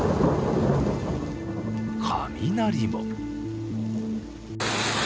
雷も。